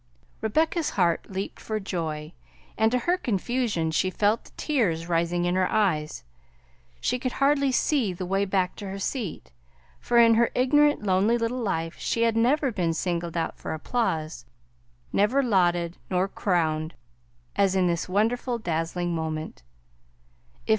Rebecca's heart leaped for joy, and to her confusion she felt the tears rising in her eyes. She could hardly see the way back to her seat, for in her ignorant lonely little life she had never been singled out for applause, never lauded, nor crowned, as in this wonderful, dazzling moment.